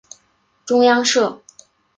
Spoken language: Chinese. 中央社